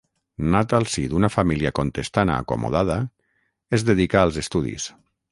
Nat al si d'una família contestana acomodada, es dedica als estudis.